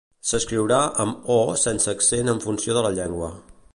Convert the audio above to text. S'escriurà amb o sense accent en funció de la llengua.